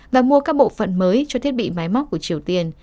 và mua các bộ phận mới cho thiết bị máy móc của triều tiên